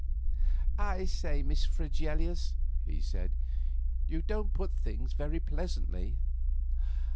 "I say, Miss Fregelius," he said, "you don't put things very pleasantly."